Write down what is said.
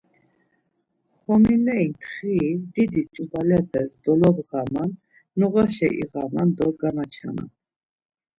Xonbineri ntxiri didi ç̌uvalepes dolobğaman, noğaşa iğaman do gamaçaman.